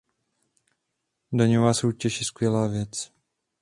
Daňová soutěž je skvělá věc.